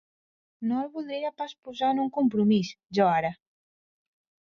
No el voldria pas posar en un compromís, jo ara.